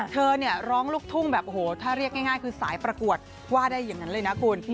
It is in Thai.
เธอเนี่ยร้องลูกทุ่งแบบโอ้โหถ้าเรียกง่ายคือสายประกวดว่าได้อย่างนั้นเลยนะคุณ